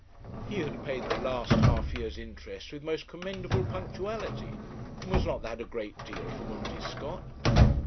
He had paid the last half year's interest with most commendable punctuality, and was not that a great deal from Undy Scott?